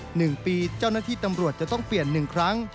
หนึ่งปีเจ้าหน้าที่ตำรวจจะต้องเปลี่ยนหนึ่งครั้ง